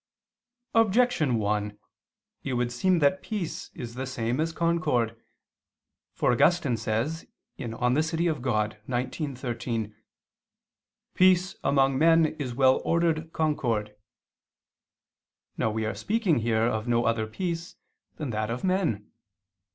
Objection 1: It would seem that peace is the same as concord. For Augustine says (De Civ. Dei xix, 13): "Peace among men is well ordered concord." Now we are speaking here of no other peace than that of men.